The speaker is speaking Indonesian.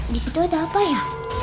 di situ ada apa ya